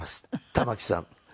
玉置さん。